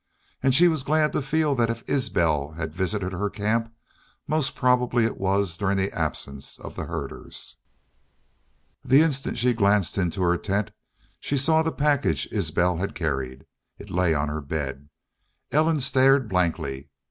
And she was glad to feel that if Isbel had visited her camp, most probably it was during the absence of the herders. The instant she glanced into her tent she saw the package Isbel had carried. It lay on her bed. Ellen stared blankly.